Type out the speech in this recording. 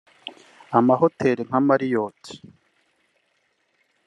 Amahoteli nka Marriot